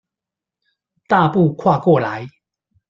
大步跨過來